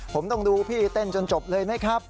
ผมต้องดูพี่เต้นจนจบเลยไหมครับ